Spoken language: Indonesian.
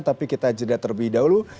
tapi kita jeda terlebih dahulu